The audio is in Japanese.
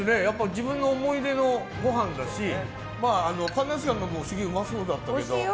自分の思い出のごはんだし神奈月さんのもすげえうまそうだったけど。